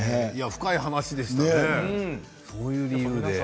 深い話でしたねそういう理由で。